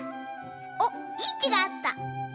おっいいきがあった。